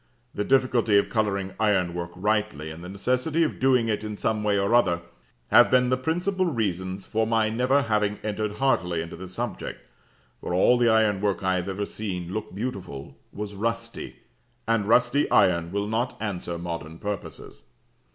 The difficulty of colouring ironwork rightly, and the necessity of doing it in some way or other, have been the principal reasons for my never having entered heartily into this subject; for all the ironwork I have ever seen look beautiful was rusty, and rusty iron will not answer modern purposes.